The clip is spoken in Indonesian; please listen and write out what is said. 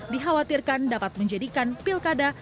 dikhawatirkan dapat menjadikan pilkada